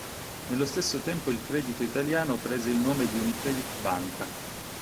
Nello stesso tempo il "Credito Italiano" prese il nome di "UniCredit Banca".